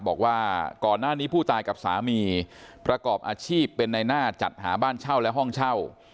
บอกว่าก่อนหน้านี้ผู้ตายกับสามีประกอบอาชีพเป็นในหน้าจัดหาบ้านเช่าและห้องเช่า